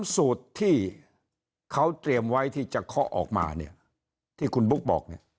สูตรที่เขาเตรียมไว้ที่จะเคาะออกมาเนี่ยที่คุณบุ๊กบอกเนี่ย